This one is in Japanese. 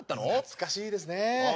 懐かしいですね。